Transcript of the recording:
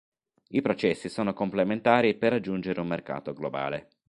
I processi sono complementari per raggiungere un mercato globale.